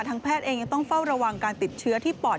แพทย์เองยังต้องเฝ้าระวังการติดเชื้อที่ปอด